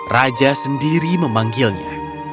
raja sendiri memanggilnya